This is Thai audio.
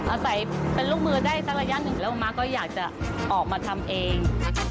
อาศัยเป็นลูกมือได้สักระยะหนึ่งแล้วม้าก็อยากจะออกมาทำเอง